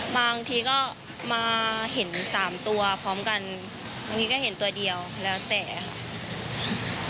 บางทีก็มาเห็นสามตัวพร้อมกันบางทีก็เห็นตัวเดียวแล้วแต่ค่ะ